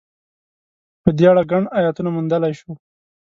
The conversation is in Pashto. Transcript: په دې اړه ګڼ ایتونه موندلای شو.